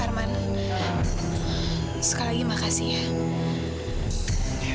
arman sekali lagi terima kasih